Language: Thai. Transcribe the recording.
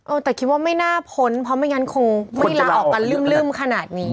แต่คิดว่าไม่น่าพ้นเพราะไม่งั้นคงไม่ลาออกกันลื่นขนาดนี้